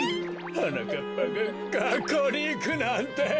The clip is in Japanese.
はなかっぱががっこうにいくなんて。